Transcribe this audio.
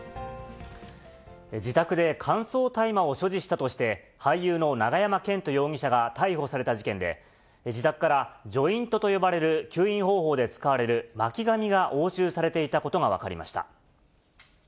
自宅で乾燥大麻を所持したとして、俳優の永山絢斗容疑者が逮捕された事件で、自宅からジョイントと呼ばれる吸引方法で使われる巻紙が押収されていたことが分かりました。